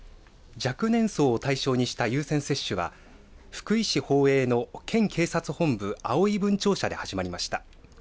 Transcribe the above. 若年層を対象にした優先接種は福井市宝永の県警察本部葵分庁舎で始まりました。